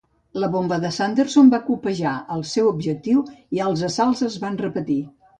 La bomba de Sanderson va copejar el seu objectiu i els assalts es van repetir.